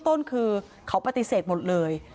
ต้นคือเขาปฏิเสธหมดเลย